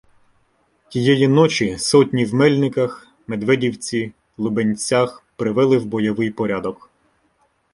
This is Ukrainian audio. Тієї ночі сотні в Мельниках, Медведівці, Лубенцях привели в бойовий порядок.